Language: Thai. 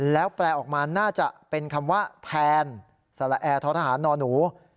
แล้วแปลออกมาน่าจะเป็นคำว่าแทนสละแอร์ท้อทหารนอนหนู